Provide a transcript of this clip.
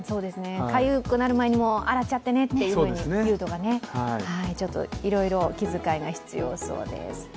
かゆくなる前に洗っちゃってねと言うとか、ちょっといろいろ気遣いが必要そうです。